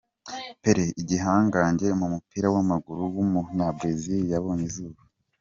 Pelé, igihangange mu mupira w’amaguru w’umunyabrazil yabonye izuba.